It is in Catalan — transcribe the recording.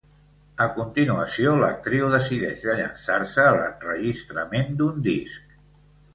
A continuació, l'actriu decideix de llançar-se a l'enregistrament d'un disc.